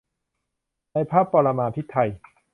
ในพระปรมาภิไธย